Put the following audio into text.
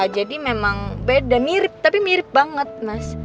jadi memang beda mirip tapi mirip banget mas